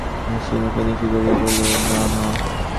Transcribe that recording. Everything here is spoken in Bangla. আশা মুখ নিচু করিয়া বলিল, জানি না, মা।